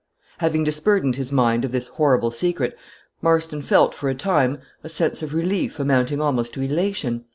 Having disburdened his mind of this horrible secret, Marston felt for a time a sense of relief amounting almost to elation.